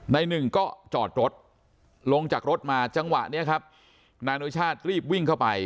หนึ่งก็จอดรถลงจากรถมาจังหวะนี้ครับนายอนุชาติรีบวิ่งเข้าไป